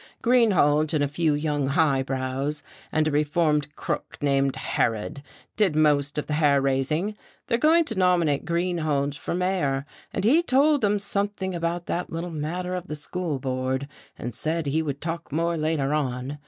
Greenhalge and a few young highbrows and a reformed crook named Harrod did most of the hair raising. They're going to nominate Greenhalge for mayor; and he told 'em something about that little matter of the school board, and said he would talk more later on.